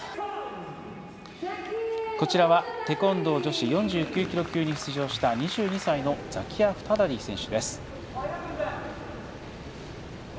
こちらはテコンドー女子４９キロ級に出場した２２歳のザキア・フダダディ選手。